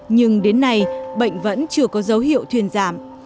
nhưng đến nay bệnh vẫn chưa có dấu hiệu thuyền giảm